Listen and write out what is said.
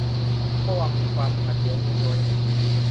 ระวังความขัดแย้งในตัวเอง